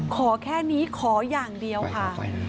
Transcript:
ขอแค่นี้ขออย่างเดียวค่ะ